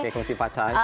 oke kongsi pacar